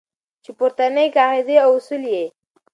چې پورتنۍ قاعدې او اصول یې